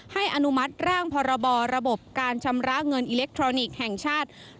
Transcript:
อนุมัติร่างพรบระบบการชำระเงินอิเล็กทรอนิกส์แห่งชาติ